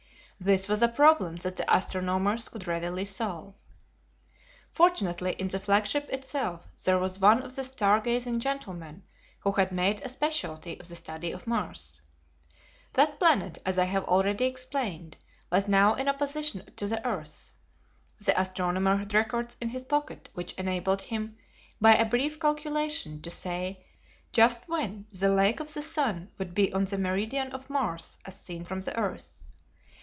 This was a problem that the astronomers could readily solve. Fortunately, in the flagship itself there was one of the star gazing gentlemen who had made a specialty of the study of Mars. That planet, as I have already explained, was now in opposition to the earth. The astronomer had records in his pocket which enabled him, by a brief calculation, to say just when the Lake of the Sun would be on the meridian of Mars as seen from the earth.